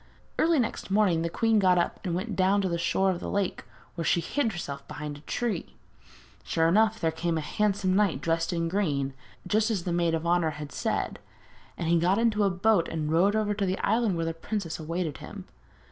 Early next morning the queen got up and went down to the shore of the lake, where she hid herself behind a tree. Sure enough there came a handsome knight dressed in green, just as the maid of honour had said, and he got into a boat and rowed over to the island where the princess awaited him.